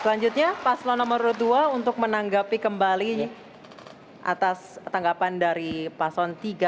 selanjutnya paslon nomor dua untuk menanggapi kembali atas tanggapan dari paslon tiga